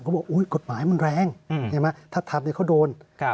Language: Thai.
ก็บอกกฎหมายมันแรงเห็นไหมถ้าทำเนี่ยเขาโดน